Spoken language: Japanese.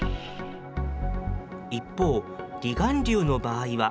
一方、離岸流の場合は。